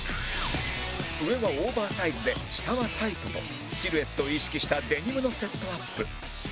上はオーバーサイズで下はタイトとシルエットを意識したデニムのセットアップ